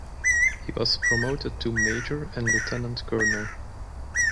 He was promoted to Major and Lieutenant Colonel.